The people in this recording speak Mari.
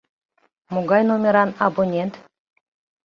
Могай номеран абонент?